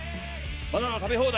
バナナ食べ放題。